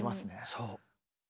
そう。